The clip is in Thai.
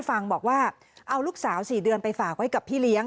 ฟังบอกว่าเอาลูกสาว๔เดือนไปฝากไว้กับพี่เลี้ยง